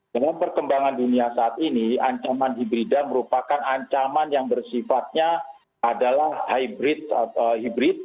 dengan perkembangan dunia saat ini ancaman hibrida merupakan ancaman yang bersifatnya adalah hybrid